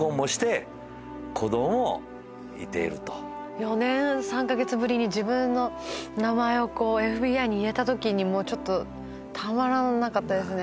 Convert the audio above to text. ４年３カ月ぶりに自分の名前をＦＢＩに言えたときにちょっとたまらなかったですね。